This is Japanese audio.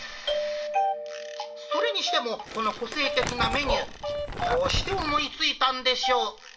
それにしても、この個性的なメニュー、どうして思いついたんでしょう。